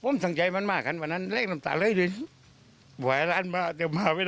แล้วก็จะเขียนตรงนั้น